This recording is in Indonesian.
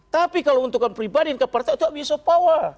tapi kalau untuk pribadi ke partai itu abuse of power